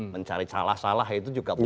mencari salah salah itu juga